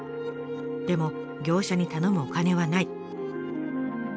でも業者に頼むお金はない。